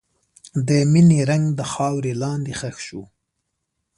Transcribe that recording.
د مینې رنګ د خاورې لاندې ښخ شو.